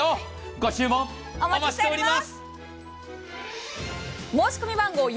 ご注文、お待ちしております！